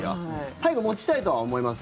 早く持ちたいとは思います？